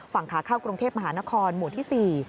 ฝั่งขาเข้ากรุงเทพมหานครหมู่ที่๔